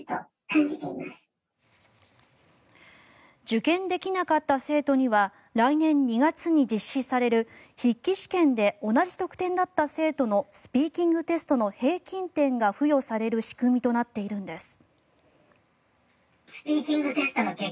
受験できなかった生徒には来年２月に実施される筆記試験で同じ得点だった生徒のスピーキングテストの平均点が付与される仕組みとなっているんです。